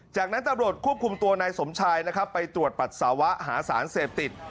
จากนั้นตรควบคุมตัวนายสมชายไปตรวจปรัสสาวะหาสารเสพติด